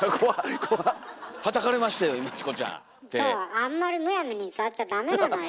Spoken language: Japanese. あんまりむやみに触っちゃダメなのよ。